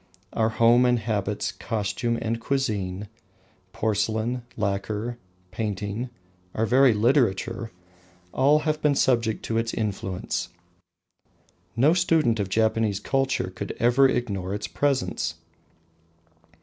Our home and habits, costume and cuisine, porcelain, lacquer, painting our very literature all have been subject to its influence. No student of Japanese culture could ever ignore its presence.